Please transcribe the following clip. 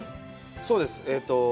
そうです。